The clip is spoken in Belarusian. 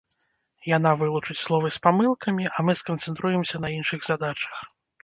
Яна вылучыць словы з памылкамі, а мы сканцэнтруемся на іншых задачах.